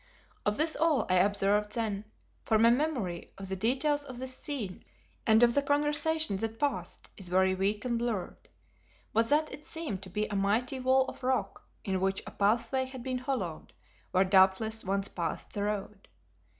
Of this all I observed then, for my memory of the details of this scene and of the conversation that passed is very weak and blurred, was that it seemed to be a mighty wall of rock in which a pathway had been hollowed where doubtless once passed the road.